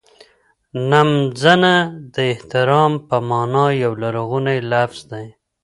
نمځنه د احترام په مانا یو لرغونی لفظ دی.